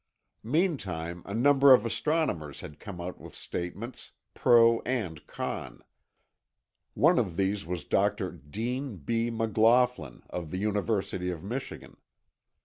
Meantime, a number of astronomers had come out with statements, pro and con. One of these was Dr. Dean B. McLaughlin, of the University of Michigan.